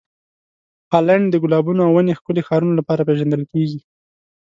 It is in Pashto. هالنډ د ګلابونو او ونې ښکلې ښارونو لپاره پېژندل کیږي.